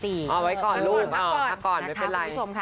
เอาไว้ก่อนลูกพักก่อนไม่เป็นไร